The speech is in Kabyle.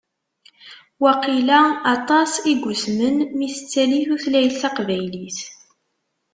Waqila aṭas i yusmen mi tettali tutlayt taqbaylit.